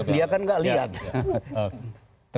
dia kan tidak lihat